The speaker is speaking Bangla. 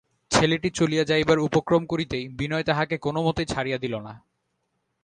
ছেলেটি চলিয়া যাইবার উপক্রম করিতেই বিনয় তাহাকে কোনোমতেই ছাড়িয়া দিল না।